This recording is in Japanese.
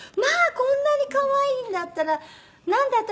こんなに可愛いんだったらなんで私